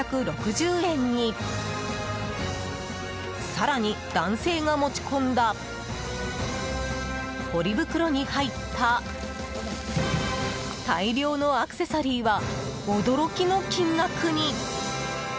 更に、男性が持ち込んだポリ袋に入った大量のアクセサリ−は驚きの金額に！